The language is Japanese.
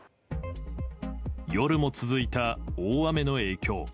夜も続いた大雨の影響。